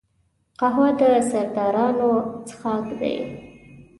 قهوه د سردارانو څښاک دی